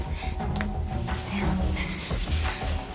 すみません。